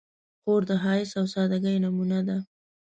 خور د ښایست او سادګۍ نمونه ده.